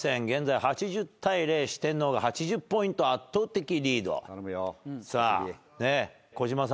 現在８０対０四天王が８０ポイント圧倒的リード。